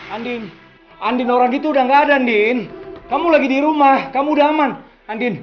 andin andin orang gitu udah gak ada andin kamu lagi di rumah kamu udah aman andin